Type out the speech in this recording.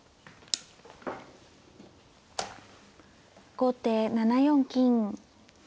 後手７四金。